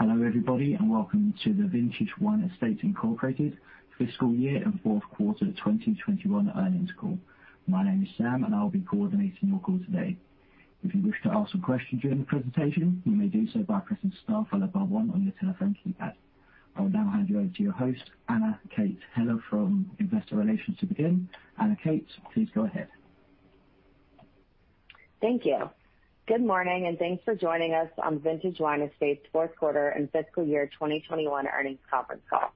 Hello, everybody, and welcome to the Vintage Wine Estates, Inc. fiscal year and fourth quarter 2021 earnings call. My name is Sam, and I'll be coordinating your call today. If you wish to ask a question during the presentation, you may do so by pressing star followed by one on your telephone keypad. I will now hand you over to your host, Anna Kate Heller, from Investor Relations to begin. Anna Kate, please go ahead. Thank you. Good morning and thanks for joining us on Vintage Wine Estates' fourth quarter and fiscal year 2021 earnings conference call.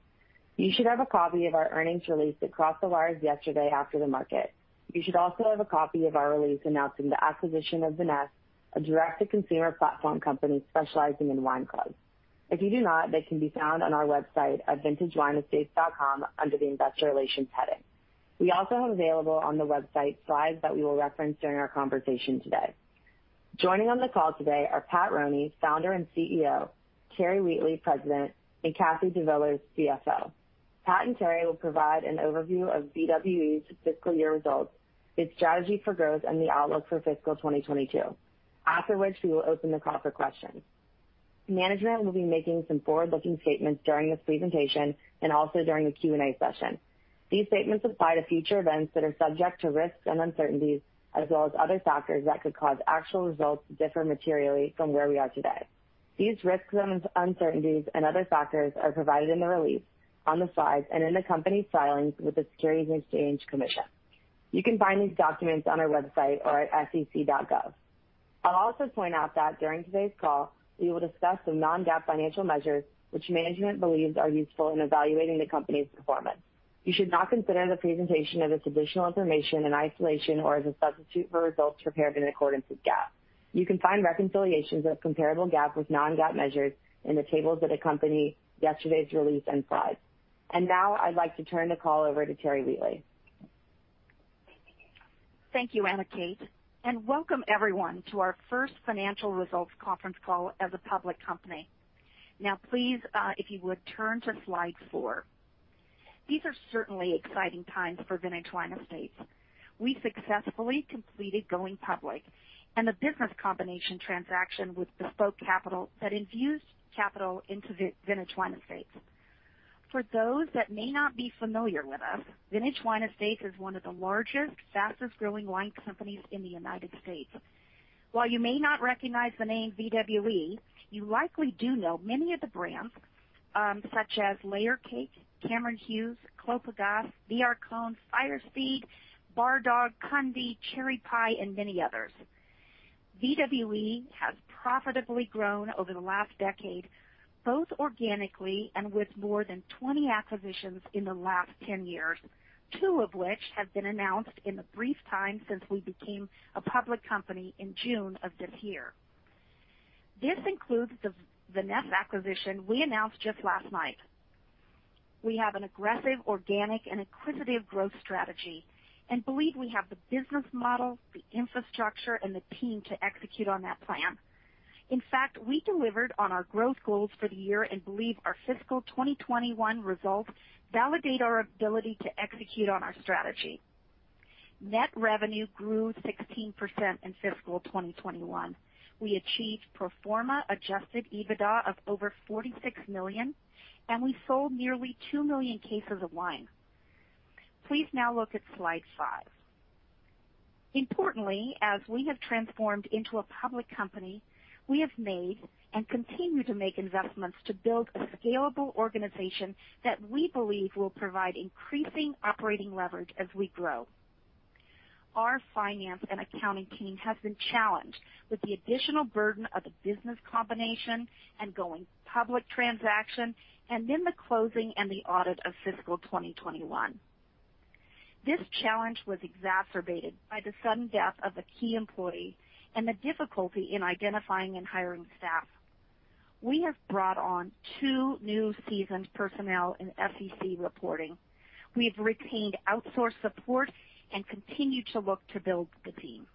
You should have a copy of our earnings release that crossed the wires yesterday after the market. You should also have a copy of our release announcing the acquisition of Vinesse, a direct-to-consumer platform company specializing in wine clubs. If you do not, they can be found on our website at vintagewineestates.com under the Investor Relations heading. We also have available on the website slides that we will reference during our conversation today. Joining on the call today are Pat Roney, founder and CEO, Terry Wheatley, president, and Katherine DeVillers, CFO. Pat and Terry will provide an overview of VWE's fiscal year results, its strategy for growth, and the outlook for fiscal 2022. After which, we will open the call for questions. Management will be making some forward-looking statements during this presentation and also during the Q&A session. These statements apply to future events that are subject to risks and uncertainties as well as other factors that could cause actual results to differ materially from where we are today. These risks and uncertainties and other factors are provided in the release, on the slides, and in the company's filings with the Securities and Exchange Commission. You can find these documents on our website or at sec.gov. I'll also point out that during today's call, we will discuss some non-GAAP financial measures which management believes are useful in evaluating the company's performance. You should not consider the presentation of this additional information in isolation or as a substitute for results prepared in accordance with GAAP. You can find reconciliations of comparable GAAP with non-GAAP measures in the tables that accompany yesterday's release and slides. Now I'd like to turn the call over to Terry Wheatley. Thank you, Anna Kate, and welcome everyone to our first financial results conference call as a public company. Now, please, if you would turn to slide four. These are certainly exciting times for Vintage Wine Estates. We successfully completed going public and a business combination transaction with Bespoke Capital that infused capital into Vintage Wine Estates. For those that may not be familiar with us, Vintage Wine Estates is one of the largest, fastest-growing wine companies in the U.S. While you may not recognize the name VWE, you likely do know many of the brands, such as Layer Cake, Cameron Hughes, Clos Pegase, B.R. Cohn, Firesteed, Bar Dog, Kunde, Cherry Pie, and many others. VWE has profitably grown over the last decade, both organically and with more than 20 acquisitions in the last 10 years, two of which have been announced in the brief time since we became a public company in June of this year. This includes the Vinesse acquisition we announced just last night. We have an aggressive organic and acquisitive growth strategy and believe we have the business model, the infrastructure, and the team to execute on that plan. In fact, we delivered on our growth goals for the year and believe our fiscal 2021 results validate our ability to execute on our strategy. Net revenue grew 16% in fiscal 2021. We achieved pro forma adjusted EBITDA of over $46 million, and we sold nearly 2 million cases of wine. Please now look at slide five. Importantly, as we have transformed into a public company, we have made and continue to make investments to build a scalable organization that we believe will provide increasing operating leverage as we grow. Our finance and accounting team has been challenged with the additional burden of the business combination and going public transaction, and then the closing and the audit of fiscal 2021. This challenge was exacerbated by the sudden death of a key employee and the difficulty in identifying and hiring staff. We have brought on two new seasoned personnel in SEC reporting. We have retained outsourced support and continue to look to build the team.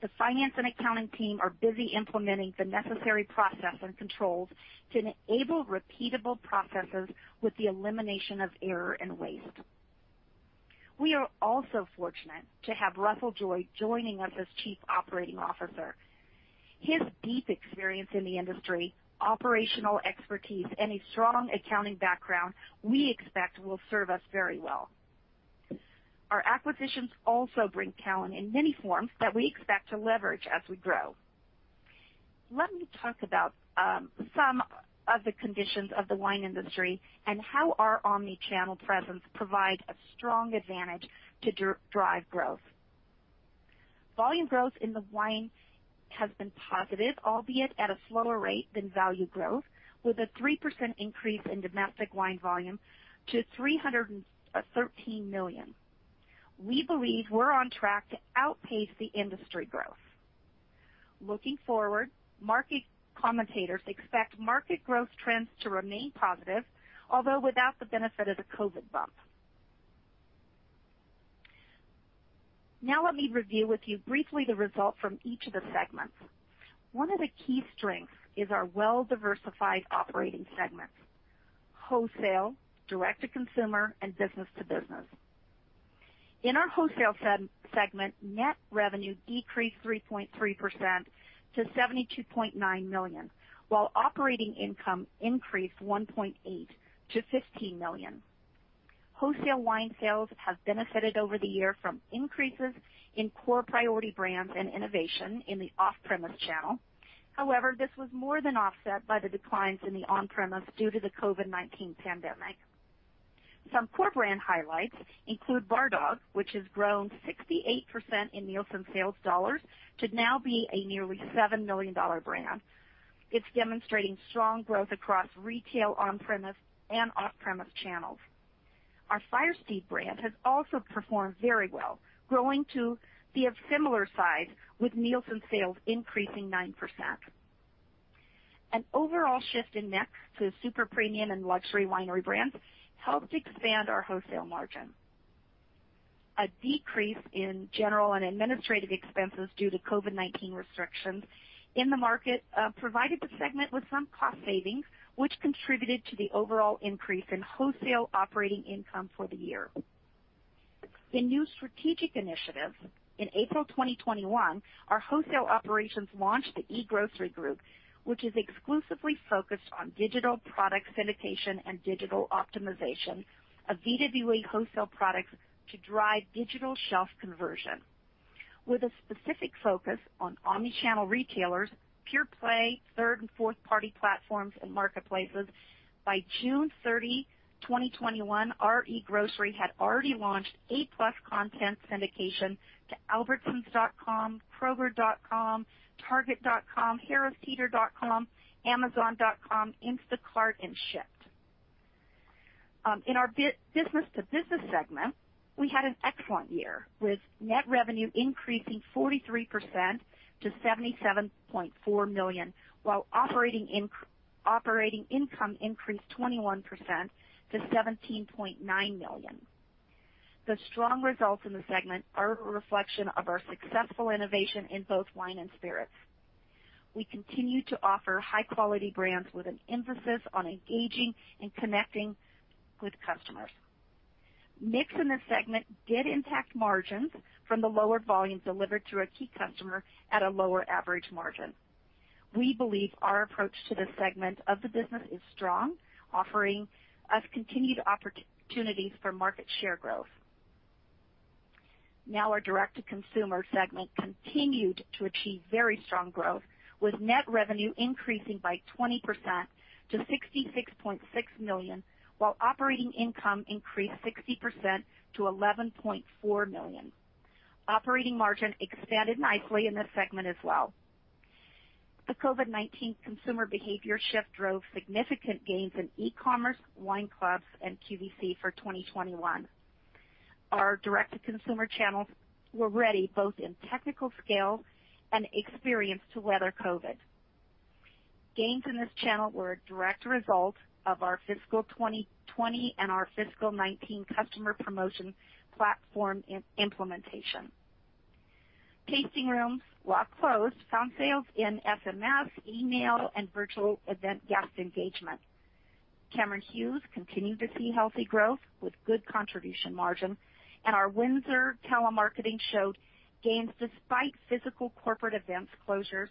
The finance and accounting team are busy implementing the necessary process and controls to enable repeatable processes with the elimination of error and waste. We are also fortunate to have Russell Joy joining us as Chief Operating Officer. His deep experience in the industry, operational expertise, and a strong accounting background, we expect will serve us very well. Our acquisitions also bring talent in many forms that we expect to leverage as we grow. Let me talk about some of the conditions of the wine industry and how our omni-channel presence provides a strong advantage to drive growth. Volume growth in the wine has been positive, albeit at a slower rate than value growth, with a 3% increase in domestic wine volume to 313 million. We believe we're on track to outpace the industry growth. Looking forward, market commentators expect market growth trends to remain positive, although without the benefit of the COVID bump. Let me review with you briefly the result from each of the segments. One of the key strengths is our well-diversified operating segments, wholesale, direct-to-consumer, and business-to-business. In our wholesale segment, net revenue decreased 3.3% to $72.9 million, while operating income increased 1.8% to $15 million. Wholesale wine sales have benefited over the year from increases in core priority brands and innovation in the off-premise channel. However, this was more than offset by the declines in the on-premise due to the COVID-19 pandemic. Some core brand highlights include Bar Dog, which has grown 68% in Nielsen sales dollars to now be a nearly $7 million brand. It's demonstrating strong growth across retail on-premise and off-premise channels. Our Firesteed brand has also performed very well, growing to be of similar size, with Nielsen sales increasing 9%. An overall shift in mix to super premium and luxury winery brands helped expand our wholesale margin. A decrease in general and administrative expenses due to COVID-19 restrictions in the market provided the segment with some cost savings, which contributed to the overall increase in wholesale operating income for the year. In new strategic initiatives in April 2021, our wholesale operations launched the eGrocery group, which is exclusively focused on digital product syndication and digital optimization of VWE wholesale products to drive digital shelf conversion. With a specific focus on omni-channel retailers, pure-play, third and fourth-party platforms and marketplaces, by June 30, 2021, our eGrocery had already launched eight-plus content syndication to albertsons.com, kroger.com, target.com, harristeeter.com, amazon.com, Instacart and Shipt. In our business-to-business segment, we had an excellent year, with net revenue increasing 43% to $77.4 million, while operating income increased 21% to $17.9 million. The strong results in the segment are a reflection of our successful innovation in both wine and spirits. We continue to offer high-quality brands with an emphasis on engaging and connecting with customers. Mix in this segment did impact margins from the lower volumes delivered to a key customer at a lower average margin. We believe our approach to this segment of the business is strong, offering us continued opportunities for market share growth. Our direct-to-consumer segment continued to achieve very strong growth, with net revenue increasing by 20% to $66.6 million, while operating income increased 60% to $11.4 million. Operating margin expanded nicely in this segment as well. The COVID-19 consumer behavior shift drove significant gains in e-commerce, wine clubs, and QVC for 2021. Our direct-to-consumer channels were ready, both in technical scale and experience, to weather COVID. Gains in this channel were a direct result of our fiscal 2020 and our fiscal 2019 customer promotion platform implementation. Tasting rooms, while closed, found sales in SMS, email, and virtual event guest engagement. Cameron Hughes continued to see healthy growth with good contribution margin, and our Windsor telemarketing showed gains despite physical corporate events closures,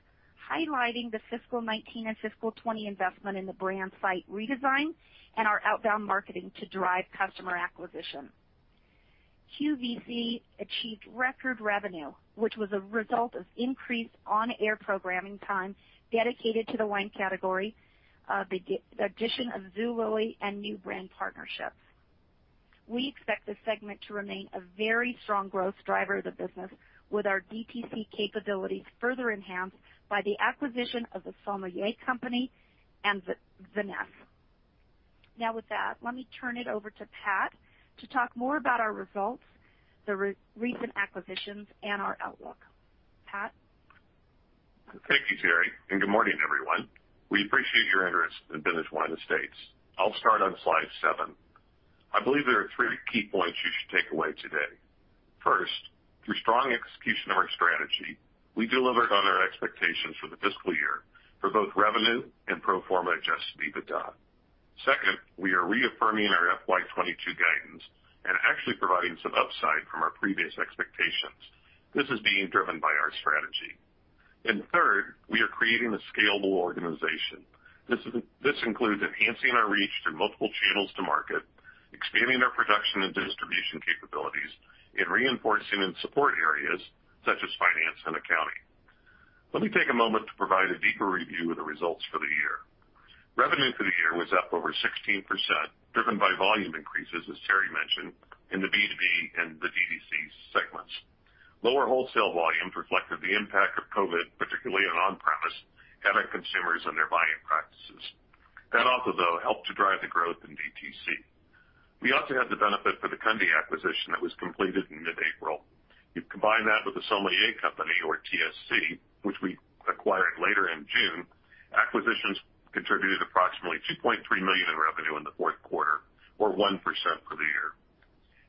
highlighting the fiscal 2019 and fiscal 2020 investment in the brand site redesign and our outbound marketing to drive customer acquisition. QVC achieved record revenue, which was a result of increased on-air programming time dedicated to the wine category, the addition of Zulily and new brand partnerships. We expect this segment to remain a very strong growth driver of the business with our DTC capabilities further enhanced by the acquisition of The Sommelier Company and Vinesse. Now with that, let me turn it over to Pat to talk more about our results, the recent acquisitions, and our outlook. Pat? Thank you, Terry, and good morning, everyone. We appreciate your interest in Vintage Wine Estates. I'll start on slide seven. I believe there are three key points you should take away today. First, through strong execution of our strategy, we delivered on our expectations for the fiscal year for both revenue and pro forma adjusted EBITDA. Second, we are reaffirming our FY 2022 guidance and actually providing some upside from our previous expectations. This is being driven by our strategy. Third, we are creating a scalable organization. This includes enhancing our reach through multiple channels to market, expanding our production and distribution capabilities, and reinforcing in support areas such as finance and accounting. Let me take a moment to provide a deeper review of the results for the year. Revenue for the year was up over 16%, driven by volume increases, as Terry mentioned, in the B2B and the DTC segments. Lower wholesale volumes reflected the impact of COVID, particularly on on-premise, and on consumers and their buying practices. That also, though, helped to drive the growth in DTC. We also had the benefit for the Kunde acquisition that was completed in mid-April. You combine that with The Sommelier Company, or TSC, which we acquired later in June, acquisitions contributed approximately $2.3 million in revenue in the fourth quarter or 1% for the year.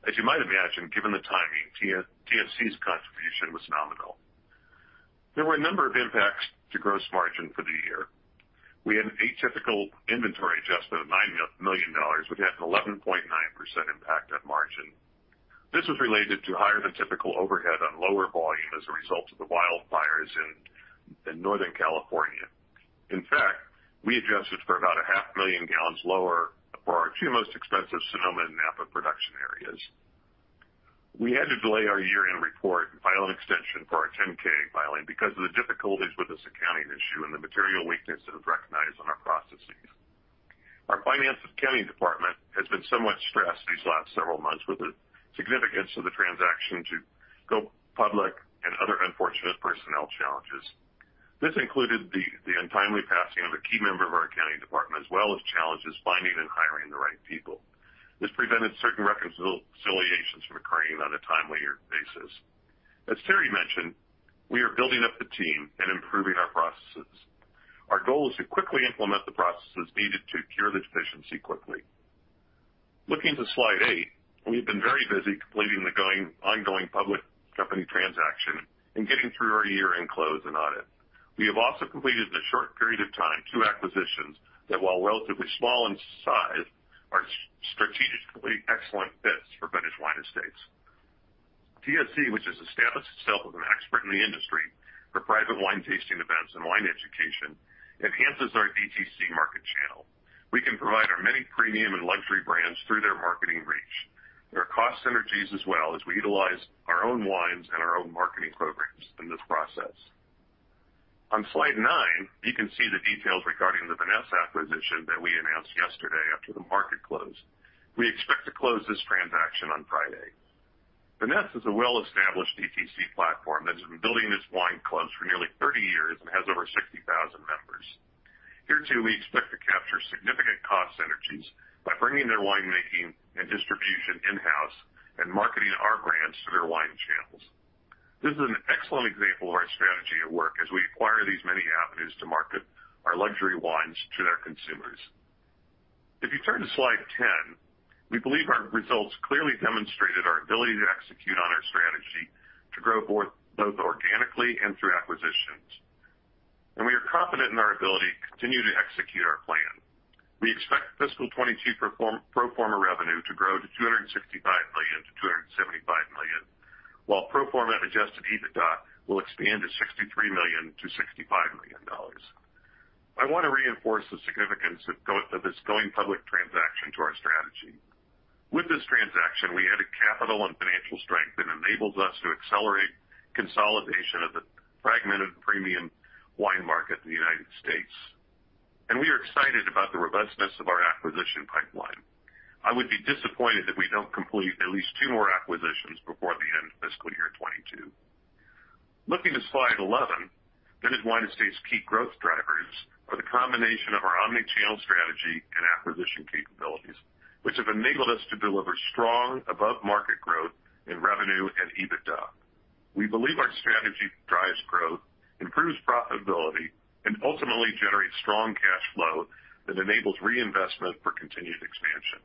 As you might imagine, given the timing, TSC's contribution was nominal. There were a number of impacts to gross margin for the year. We had an atypical inventory adjustment of $9 million, which had an 11.9% impact on margin. This was related to higher than typical overhead on lower volume as a result of the wildfires in Northern California. In fact, we adjusted for about a half million gallons lower for our two most expensive Sonoma and Napa production areas. We had to delay our year-end report and file an extension for our 10K filing because of the difficulties with this accounting issue and the material weakness that was recognized in our processes. Our finance accounting department has been somewhat stressed these last several months with the significance of the transaction to go public and other unfortunate personnel challenges. This included the untimely passing of a key member of our accounting department, as well as challenges finding and hiring the right people. This prevented certain reconciliations from occurring on a timely basis. As Terry mentioned, we are building up the team and improving our processes. Our goal is to quickly implement the processes needed to cure the deficiency quickly. Looking to slide eight, we've been very busy completing the ongoing public company transaction and getting through our year-end close and audit. We have also completed in a short period of time, two acquisitions that, while relatively small in size, are strategically excellent fits for Vintage Wine Estates. The Sommelier Company, which has established itself as an expert in the industry for private wine tasting events and wine education, enhances our DTC market channel. We can provide our many premium and luxury brands through their marketing reach. There are cost synergies as well, as we utilize our own wines and our own marketing programs in this process. On slide nine, you can see the details regarding the Vinesse acquisition that we announced yesterday after the market closed. We expect to close this transaction on Friday. Vinesse is a well-established DTC platform that has been building its wine clubs for nearly 30 years and has over 60,000 members. Here, too, we expect to capture significant cost synergies by bringing their winemaking and distribution in-house and marketing our brands through their wine channels. This is an excellent example of our strategy at work as we acquire these many avenues to market our luxury wines to their consumers. If you turn to slide 10, we believe our results clearly demonstrated our ability to execute on our strategy to grow both organically and through acquisitions, and we are confident in our ability to continue to execute our plan. We expect FY 2022 pro forma revenue to grow to $265 million-$275 million, while pro forma adjusted EBITDA will expand to $63 million-$65 million. I want to reinforce the significance of this going public transaction to our strategy. With this transaction, we add capital and financial strength that enables us to accelerate consolidation of the fragmented premium wine market in the U.S., and we are excited about the robustness of our acquisition pipeline. I would be disappointed if we don't complete at least two more acquisitions before the end of fiscal year 2022. Looking to slide 11, Vintage Wine Estates' key growth drivers are the combination of our omni-channel strategy and acquisition capabilities, which have enabled us to deliver strong above-market growth in revenue and EBITDA. We believe our strategy drives growth, improves profitability, ultimately generates strong cash flow that enables reinvestment for continued expansion.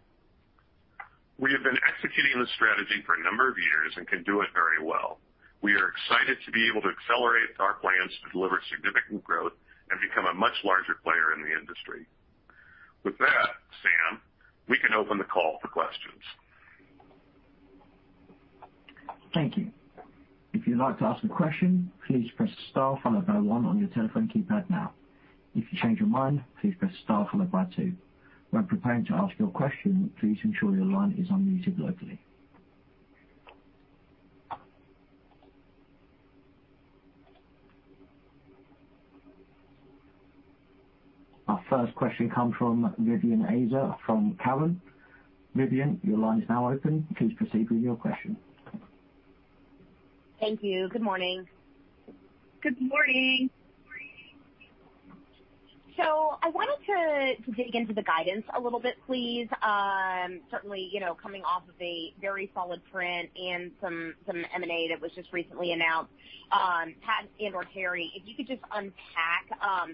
We have been executing this strategy for a number of years and can do it very well. We are excited to be able to accelerate our plans to deliver significant growth and become a much larger player in the industry. With that, Sam, we can open the call for questions. Thank you. If you would like to ask a question, please press star followed by one on your telephone keypad now. If you change your mind, please press star followed by two. When preparing to ask your question, please ensure your line is unmuted locally. Our first question comes from Vivien Azer from Cowen. Vivien, your line is now open. Please proceed with your question. Thank you. Good morning. Good morning. I wanted to dig into the guidance a little bit, please. Certainly, coming off of a very solid print and some M&A that was just recently announced. Pat and/or Terry, if you could just unpack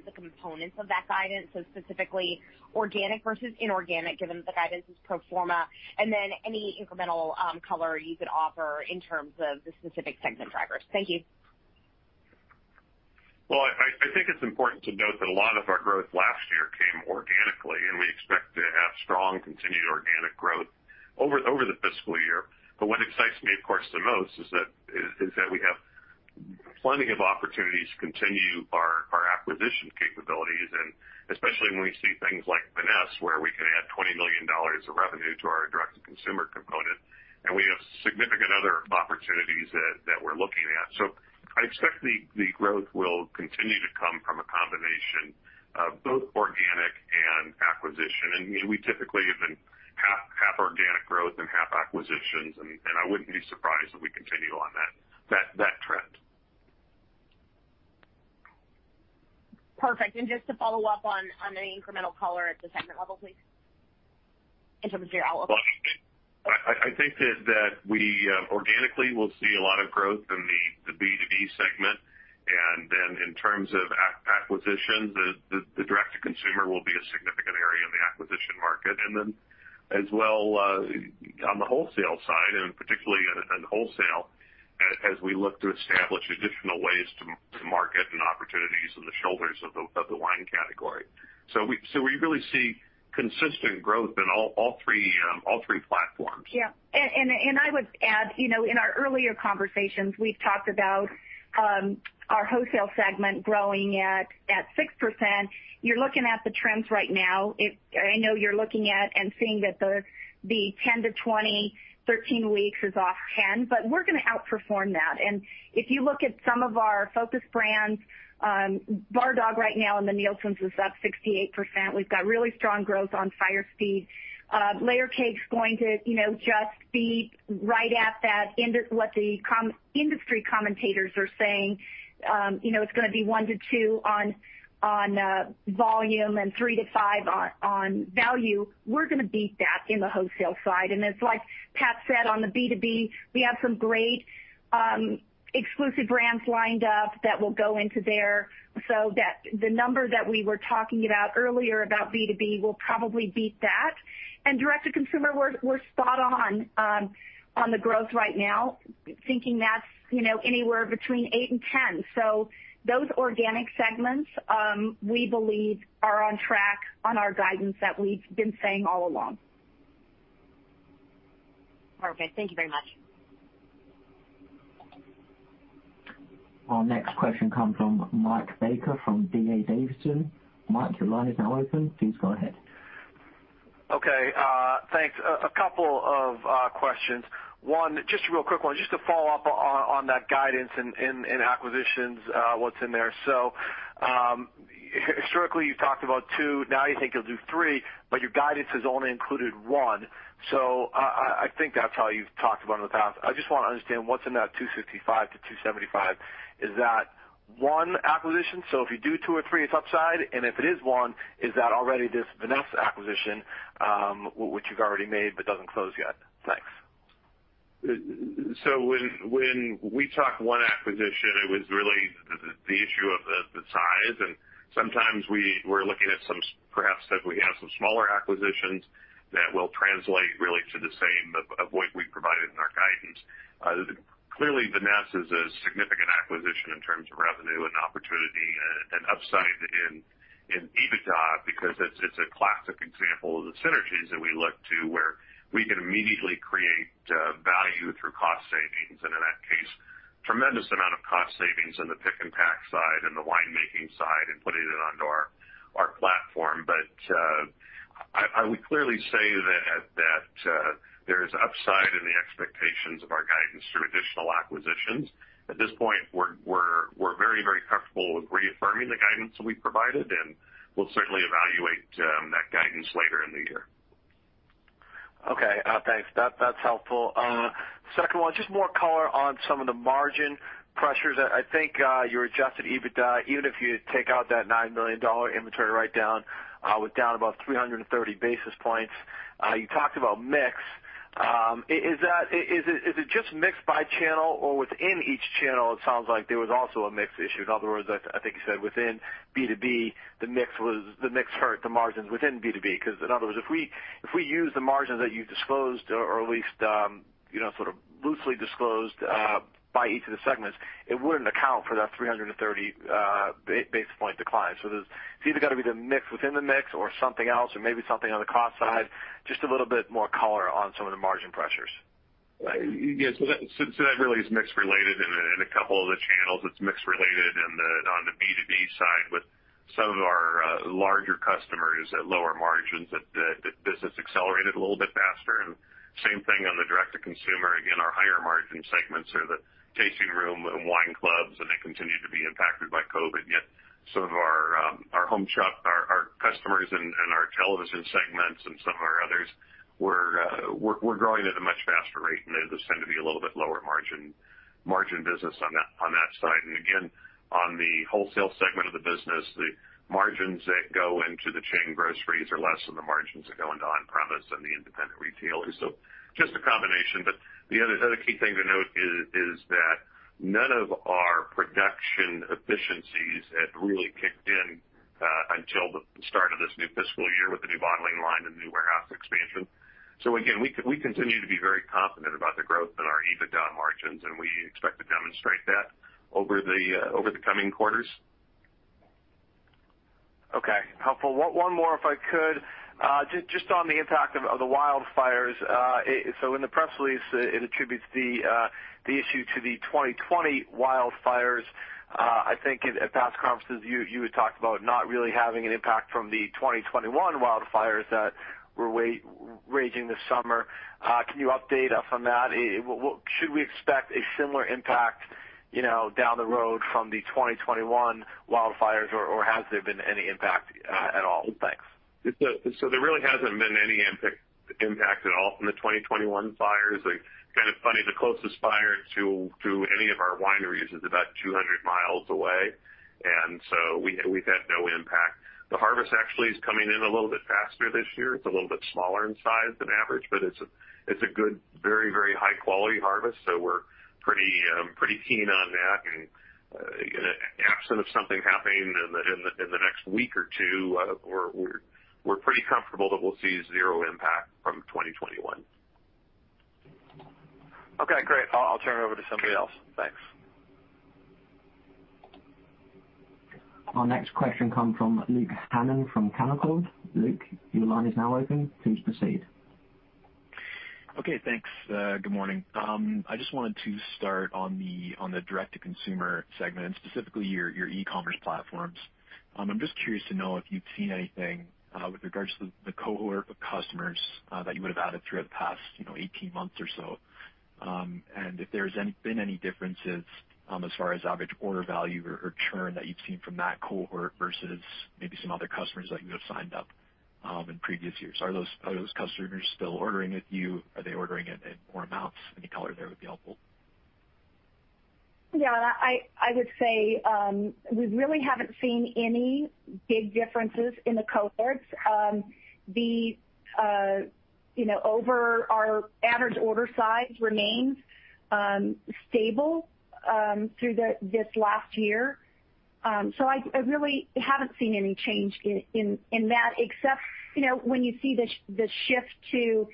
the components of that guidance, so specifically organic versus inorganic, given that the guidance is pro forma, and then any incremental color you could offer in terms of the specific segment drivers. Thank you. I think it's important to note that a lot of our growth last year came organically, and we expect to have strong continued organic growth over the fiscal year. What excites me, of course, the most is that we have plenty of opportunities to continue our acquisition capabilities, especially when we see things like Vinesse, where we can add $20 million of revenue to our direct-to-consumer component, and we have significant other opportunities that we're looking at. I expect the growth will continue to come from a combination of both organic and acquisition. We typically have been half organic growth and half acquisitions, and I wouldn't be surprised if we continue on that trend. Perfect. Just to follow up on any incremental color at the segment level, please, in terms of your outlook. I think that we organically will see a lot of growth in the B2B segment, and then in terms of acquisitions, the direct-to-consumer will be a significant area in the acquisition market, and then as well on the wholesale side, and particularly in wholesale, as we look to establish additional ways to market and opportunities on the shoulders of the wine category. We really see consistent growth in all three platforms. Yeah. I would add, in our earlier conversations, we've talked about our wholesale segment growing at 6%. You're looking at the trends right now. I know you're looking at and seeing that the 10 to 20, 13 weeks is off 10%, but we're going to outperform that. If you look at some of our focus brands, Bar Dog right now in the Nielsen's is up 68%. We've got really strong growth on Firesteed. Layer Cake's going to just be right at that, what the industry commentators are saying, it's going to be 1%-2% on volume and 3%-5% on value. We're going to beat that in the wholesale side. It's like Pat said on the B2B, we have some great exclusive brands lined up that will go into there, so that the number that we were talking about earlier about B2B will probably beat that. Direct-to-consumer, we're spot on the growth right now, thinking that's anywhere between 8% and 10%. Those organic segments, we believe, are on track on our guidance that we've been saying all along. Perfect. Thank you very much. Our next question comes from Michael Baker from D.A. Davidson. Mike, your line is now open. Please go ahead. Okay, thanks. A couple of questions. One, just a real quick one, just to follow up on that guidance and acquisitions, what's in there? Historically, you talked about two, now you think you'll do three, but your guidance has only included one. I think that's how you've talked about in the past. I just want to understand what's in that $265-$275. Is that one acquisition? If you do two or three, it's upside, and if it is one, is that already this Vinesse acquisition, which you've already made but doesn't close yet? Thanks. When we talked one acquisition, it was really the issue of the size, and sometimes we're looking at some, perhaps that we have some smaller acquisitions that will translate really to the same of what we provided in our guidance. Clearly, Vinesse is a significant acquisition in terms of revenue and opportunity and upside in EBITDA, because it's a classic example of the synergies that we look to where we can immediately create value through cost savings, and in that case, tremendous amount of cost savings on the pick and pack side and the winemaking side and putting it onto our platform. I would clearly say that there is upside in the expectations of our guidance through additional acquisitions. At this point, we're very comfortable with reaffirming the guidance that we provided, and we'll certainly evaluate that guidance later in the year. Okay, thanks. That's helpful. Second one, just more color on some of the margin pressures. I think your adjusted EBITDA, even if you take out that $9 million inventory write-down, was down about 330 basis points. You talked about mix. Is it just mix by channel or within each channel? It sounds like there was also a mix issue. In other words, I think you said within B2B, the mix hurt the margins within B2B, because in other words, if we use the margin that you disclosed or at least sort of loosely disclosed by each of the segments, it wouldn't account for that 330 basis point decline. It's either got to be the mix within the mix or something else or maybe something on the cost side. Just a little bit more color on some of the margin pressures. Yeah. That really is mix-related in a couple of the channels. It's mix-related on the B2B side with some of our larger customers at lower margins, that the business accelerated a little bit faster, and same thing on the direct-to-consumer. Again, our higher margin segments are the tasting room and wine clubs, and they continue to be impacted by COVID-19. Yet some of our home shop, our customers and our television segments and some of our others, we're growing at a much faster rate, and those tend to be a little bit lower margin business on that side. Again, on the wholesale segment of the business, the margins that go into the chain groceries are less than the margins that go into on-premise and the independent retailers. Just a combination. The other key thing to note is that none of our production efficiencies had really kicked in until the start of this new fiscal year with the new bottling line and new warehouse expansion. Again, we continue to be very confident about the growth in our EBITDA margins, and we expect to demonstrate that over the coming quarters. Okay. Helpful. One more, if I could. Just on the impact of the wildfires. In the press release, it attributes the issue to the 2020 wildfires. I think at past conferences, you had talked about not really having an impact from the 2021 wildfires that were raging this summer. Can you update us on that? Should we expect a similar impact down the road from the 2021 wildfires, or has there been any impact at all? Thanks. There really hasn't been any impact at all from the 2021 fires. It's kind of funny, the closest fire to any of our wineries is about 200 mi away, and so we've had no impact. The harvest actually is coming in a little bit faster this year. It's a little bit smaller in size than average, but it's a good, very high-quality harvest, so we're pretty keen on that. In the absence of something happening in the next week or two, we're pretty comfortable that we'll see zero impact from 2021. Okay, great. I'll turn it over to somebody else. Thanks. Our next question comes from Luke Hannan from Canaccord. Luke, your line is now open. Please proceed. Okay, thanks. Good morning. I just wanted to start on the direct-to-consumer segment, specifically your e-commerce platforms. I'm just curious to know if you've seen anything with regards to the cohort of customers that you would have added throughout the past 18 months or so, and if there's been any differences as far as average order value or churn that you've seen from that cohort versus maybe some other customers that you have signed up in previous years. Are those customers still ordering with you? Are they ordering in more amounts? Any color there would be helpful. Yeah, I would say, we really haven't seen any big differences in the cohorts. Our average order size remains stable through this last year. I really haven't seen any change in that except when you see the shift to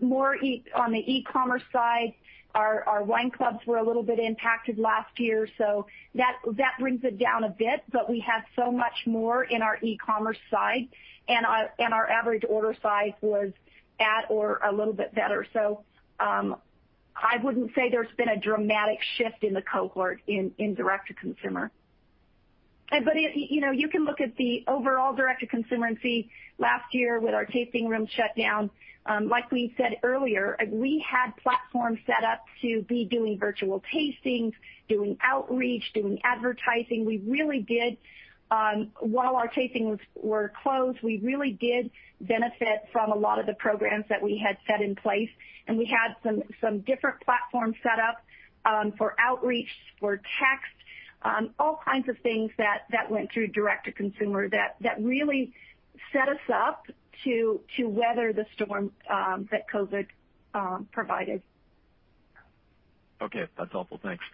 more on the e-commerce side. Our wine clubs were a little bit impacted last year, so that brings it down a bit. We have so much more in our e-commerce side, and our average order size was at or a little bit better. I wouldn't say there's been a dramatic shift in the cohort in direct-to-consumer. You can look at the overall direct-to-consumer and see last year with our tasting room shut down, like we said earlier, we had platforms set up to be doing virtual tastings, doing outreach, doing advertising. While our tastings were closed, we really did benefit from a lot of the programs that we had set in place, and we had some different platforms set up for outreach, for text, all kinds of things that went through direct-to-consumer that really set us up to weather the storm that COVID provided. Okay. That's helpful. Thanks.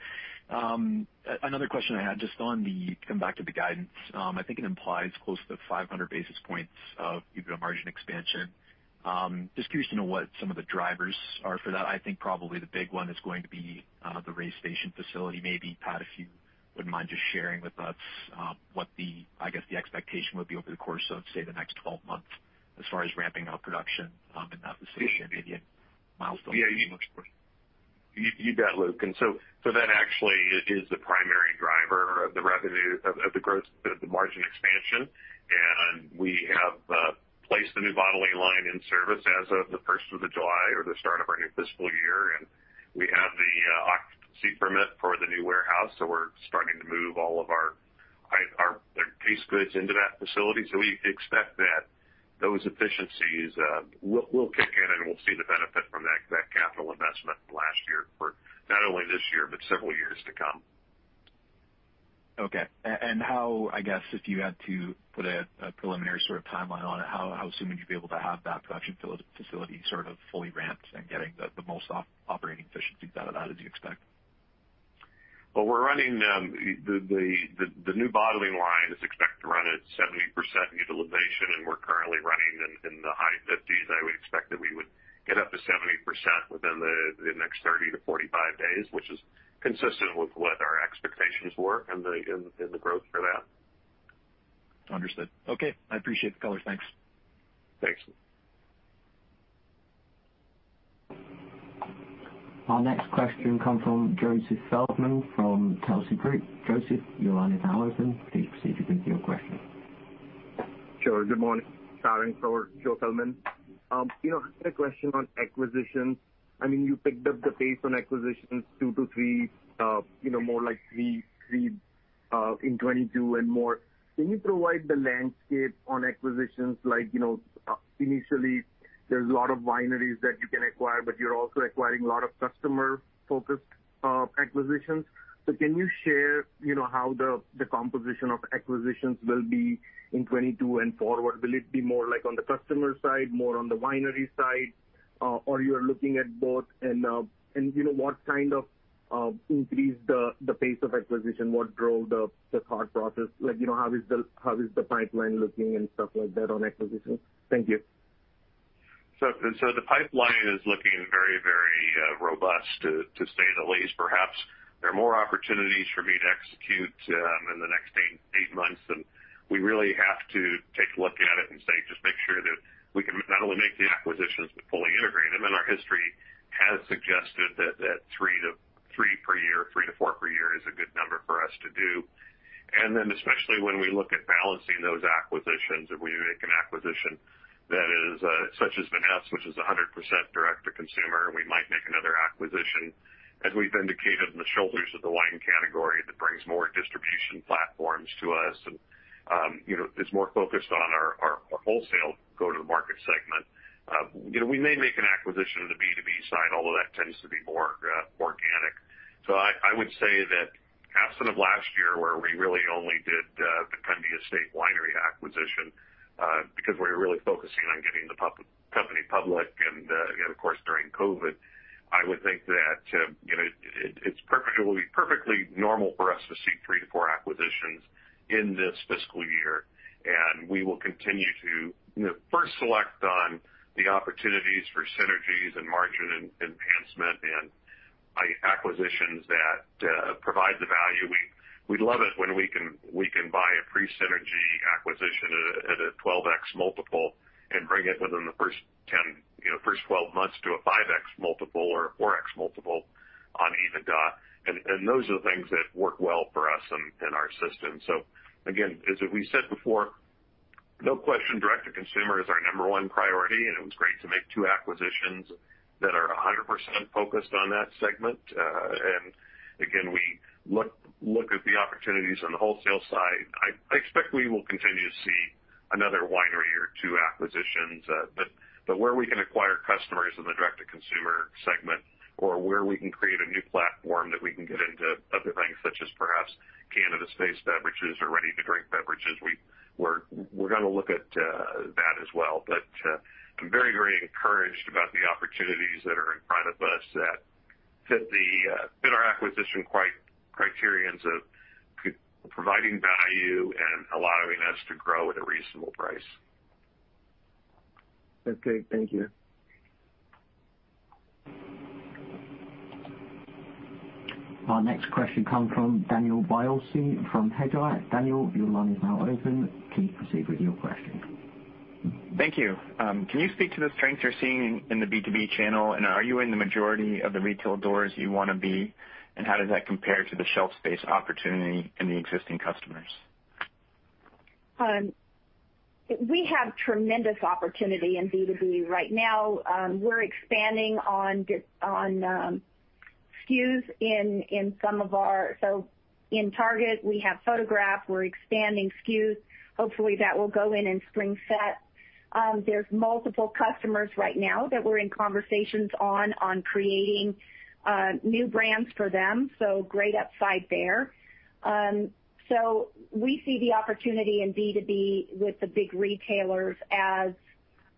Another question I had, just to come back to the guidance. I think it implies close to 500 basis points of EBITDA margin expansion. Just curious to know what some of the drivers are for that. I think probably the big one is going to be the Ray's Station facility. Maybe, Pat Roney, if you wouldn't mind just sharing with us what, I guess, the expectation would be over the course of, say, the next 12 months as far as ramping up production in that facility and maybe a milestone. You bet, Luke. That actually is the primary driver of the margin expansion, we have placed the new bottling line in service as of the 1st of July or the start of our new fiscal year. We have the occupancy permit for the new warehouse. We're starting to move all of our case goods into that facility. We expect that those efficiencies will kick in, and we'll see the benefit from that capital investment last year for not only this year, but several years to come. Okay. How, I guess, if you had to put a preliminary sort of timeline on it, how soon would you be able to have that production facility sort of fully ramped and getting the most operating efficiency out of that, as you expect? Well, the new bottling line is expected to run at 70% utilization, and we're currently running in the high 50s. I would expect that we would get up to 70% within the next 30 days to 45 days, which is consistent with what our expectations were in the growth for that. Understood. Okay, I appreciate the color. Thanks. Thanks. Our next question comes from Joseph Feldman from Telsey Group. Joseph, your line is now open. Please proceed with your question. Sure. Good morning, Todd and Joe Feldman. I had a question on acquisitions. You picked up the pace on acquisitions, two to three, more like three in 2022 and more. Can you provide the landscape on acquisitions? Initially, there's a lot of wineries that you can acquire, but you're also acquiring a lot of customer-focused acquisitions. Can you share how the composition of acquisitions will be in 2022 and forward? Will it be more like on the customer side, more on the winery side, or you're looking at both? What kind of increased the pace of acquisition? What drove the thought process? How is the pipeline looking and stuff like that on acquisitions? Thank you. The pipeline is looking very robust to say the least. Perhaps there are more opportunities for me to execute in the next eight months, and we really have to take a look at it and say, just make sure that we can not only make the acquisitions, but fully integrate them. Our history has suggested that three per year, three to four per year is a good number for us to do. Especially when we look at balancing those acquisitions, if we make an acquisition such as Vinesse, which is 100% direct-to-consumer, we might make another acquisition, as we've indicated, in the shoulders of the wine category that brings more distribution platforms to us and is more focused on our wholesale go-to-market segment. We may make an acquisition on the B2B side, although that tends to be more organic. I would say that absent of last year, where we really only did the Kunde and Winery acquisition, because we were really focusing on getting the company public, and of course, during COVID-19, I would think that it will be perfectly normal for us to see three to four acquisitions in this fiscal year. We will continue to first select on the opportunities for synergies and margin enhancement and acquisitions that provide the value. We'd love it when we can buy a pre-synergy acquisition at a 12x multiple and bring it within the first 12 months to a 5x multiple or a 4x multiple on EBITDA. Those are the things that work well for us in our system. Again, as we said before, no question, direct-to-consumer is our number one priority, and it was great to make two acquisitions that are 100% focused on that segment. Again, we look at the opportunities on the wholesale side. I expect we will continue to see another winery or two acquisitions, where we can acquire customers in the direct-to-consumer segment or where we can create a new platform that we can get into other things, such as perhaps cannabis-based beverages or ready-to-drink beverages, we're going to look at that as well. I'm very encouraged about the opportunities that are in front of us that fit our acquisition criterions of providing value and allowing us to grow at a reasonable price. That's great. Thank you. Our next question comes from Daniel Biolsi from Hedgeye. Daniel, your line is now open. Please proceed with your question. Thank you. Can you speak to the strengths you're seeing in the B2B channel, and are you in the majority of the retail doors you want to be, and how does that compare to the shelf space opportunity in the existing customers? We have tremendous opportunity in B2B right now. We're expanding on SKUs. In Target, we have Photograph, we're expanding SKUs. Hopefully, that will go in in spring set. There's multiple customers right now that we're in conversations on creating new brands for them. Great upside there. We see the opportunity in B2B with the big retailers as,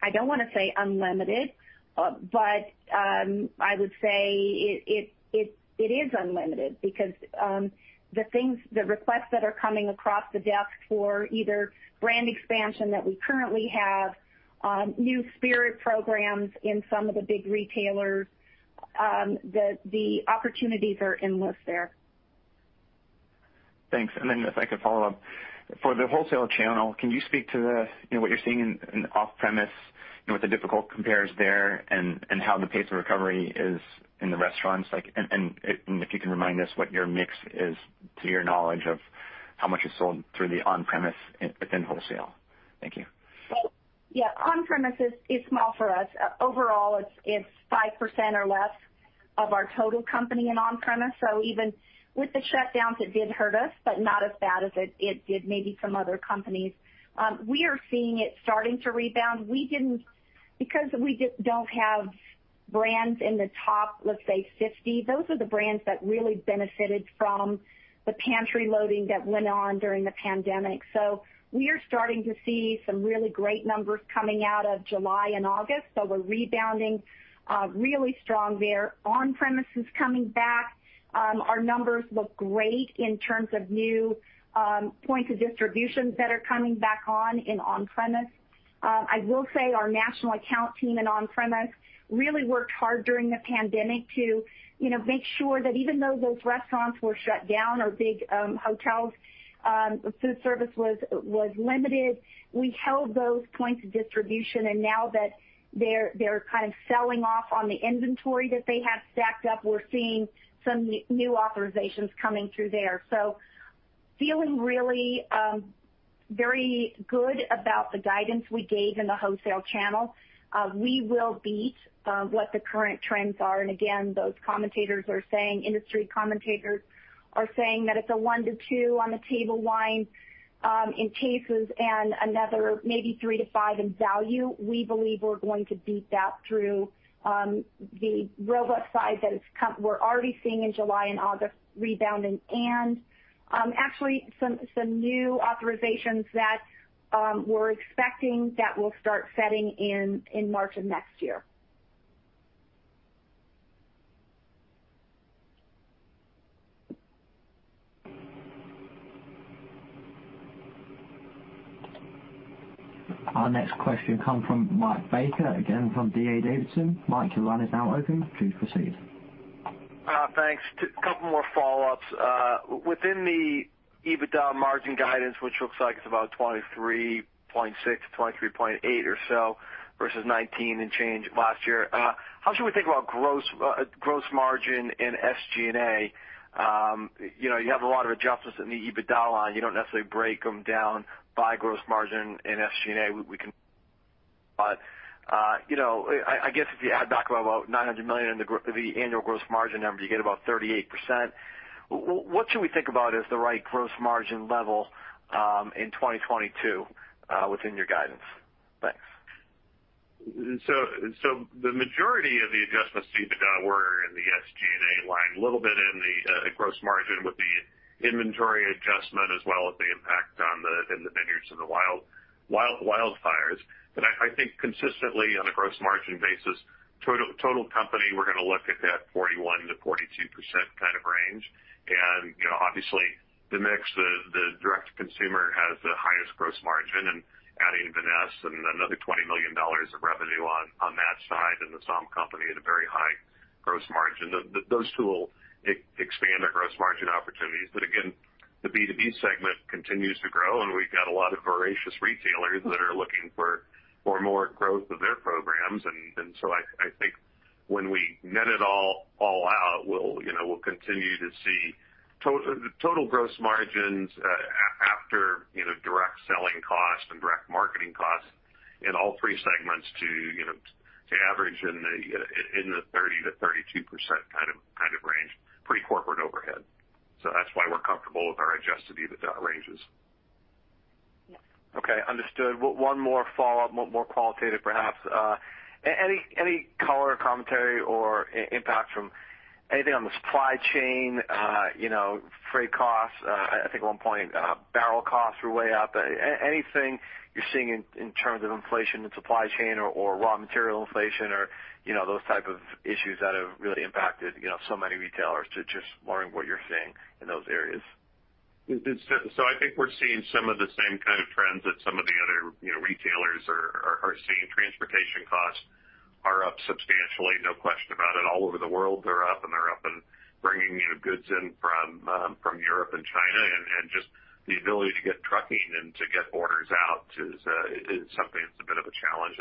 I don't want to say unlimited, but I would say it is unlimited because the requests that are coming across the desk for either brand expansion that we currently have, new spirit programs in some of the big retailers, the opportunities are endless there. Thanks. If I could follow up, for the wholesale channel, can you speak to what you're seeing in off-premise and what the difficult compares there and how the pace of recovery is in the restaurants? If you can remind us what your mix is to your knowledge of how much is sold through the on-premise within wholesale? Thank you. Yeah. On-premise is small for us. Overall, it's 5% or less of our total company in on-premise. Even with the shutdowns, it did hurt us, but not as bad as it did maybe some other companies. We are seeing it starting to rebound. We don't have brands in the top, let's say, 50. Those are the brands that really benefited from the pantry loading that went on during the pandemic. We are starting to see some really great numbers coming out of July and August. We're rebounding really strong there. On-premise is coming back. Our numbers look great in terms of new points of distributions that are coming back on in on-premise. I will say our national account team in on-premise really worked hard during the pandemic to make sure that even though those restaurants were shut down, our big hotels, food service was limited. We held those points of distribution. Now that they're kind of selling off on the inventory that they have stacked up, we're seeing some new authorizations coming through there. Feeling really very good about the guidance we gave in the wholesale channel. We will beat what the current trends are. Again, those commentators are saying, industry commentators are saying that it's a 1%-2% on the table wine in cases and another maybe 3%-5% in value. We believe we're going to beat that through the robust side that we're already seeing in July and August rebounding. Actually, some new authorizations that we're expecting that will start setting in March of next year. Our next question comes from Mike Baker, again from D.A. Davidson. Mike, your line is now open. Please proceed. Thanks. A couple more follow-ups. Within the EBITDA margin guidance, which looks like it's about 23.6%-23.8% or so, versus 19% and change last year, how should we think about gross margin and SG&A? You have a lot of adjustments in the EBITDA line. You don't necessarily break them down by gross margin and SG&A. I guess if you add back about $900 million in the annual gross margin number, you get about 38%. What should we think about as the right gross margin level in 2022 within your guidance? Thanks. The majority of the adjustments to EBITDA were in the SG&A line, a little bit a gross margin with the inventory adjustment as well as the impact in the vineyards and the wildfires. I think consistently on a gross margin basis, total company, we're going to look at that 41%-42% kind of range. Obviously, the mix, the direct-to-consumer has the highest gross margin, adding Vinesse and another $20 million of revenue on that side and The Sommelier Company at a very high gross margin, those two will expand our gross margin opportunities. Again, the B2B segment continues to grow, and we've got a lot of voracious retailers that are looking for more growth of their programs. I think when we net it all out, we'll continue to see total gross margins after direct selling costs and direct marketing costs in all three segments to average in the 30%-32% kind of range, pre corporate overhead. That's why we're comfortable with our adjusted EBITDA ranges. Yes. Okay, understood. One more follow-up, more qualitative perhaps. Any color or commentary or impact from anything on the supply chain, freight costs? I think at one point, barrel costs were way up. Anything you're seeing in terms of inflation in supply chain or raw material inflation or those type of issues that have really impacted so many retailers? Just wondering what you're seeing in those areas. I think we're seeing some of the same kind of trends that some of the other retailers are seeing. Transportation costs are up substantially, no question about it. All over the world, they're up, and they're up in bringing goods in from Europe and China. Just the ability to get trucking and to get orders out is something that's a bit of a challenge.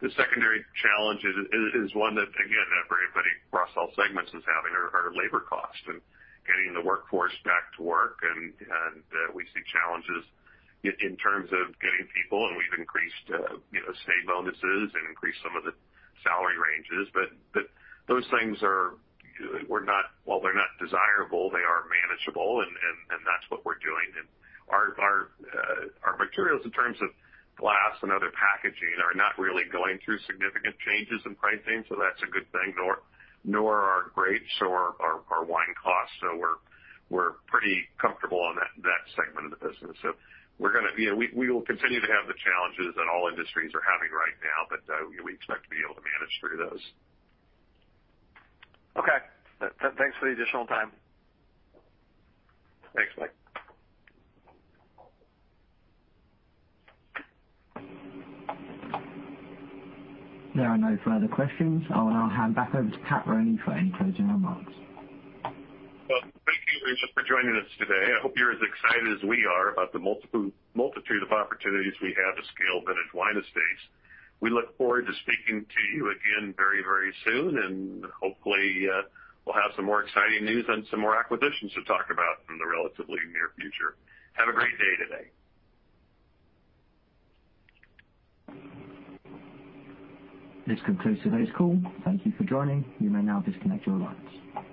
The secondary challenge is one that, again, everybody across all segments is having, are labor costs and getting the workforce back to work. We see challenges in terms of getting people, and we've increased stay bonuses and increased some of the salary ranges. Those things, while they're not desirable, they are manageable, and that's what we're doing. Our materials in terms of glass and other packaging are not really going through significant changes in pricing, so that's a good thing. Nor our grapes or our wine costs. We're pretty comfortable on that segment of the business. We will continue to have the challenges that all industries are having right now, but we expect to be able to manage through those. Okay. Thanks for the additional time. Thanks, Mike. There are no further questions. I will now hand back over to Pat Roney for any closing remarks. Well, thank you for just joining us today. I hope you're as excited as we are about the multitude of opportunities we have to scale Vintage Wine Estates. Hopefully, we'll have some more exciting news and some more acquisitions to talk about in the relatively near future. Have a great day today. This concludes today's call. Thank you for joining. You may now disconnect your lines.